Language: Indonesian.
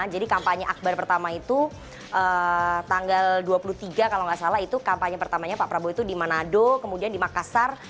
jadi kampanye akbar pertama itu tanggal dua puluh tiga kalau enggak salah itu kampanye pertamanya pak prabowo itu di manado kemudian di makassar